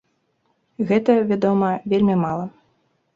Гэта, вядома, вельмі мала.